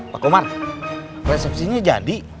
pak omar resepsinya jadi